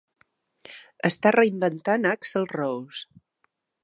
Està "Reinventant Axl Rose".